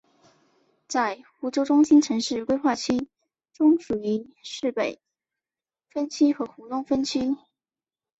在湖州中心城市规划区中属于市北分区和湖东分区。